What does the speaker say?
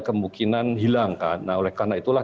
kemungkinan hilang kan nah oleh karena itulah